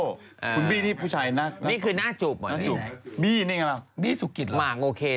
คุณบีนี่ผู้ชายหนักนี่คือน่าจูบเหรอ